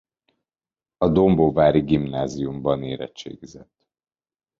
A dombóvári gimnáziumban érettségizett.